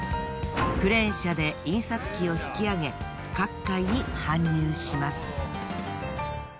クレーン車で印刷機を引き上げ各階に搬入します。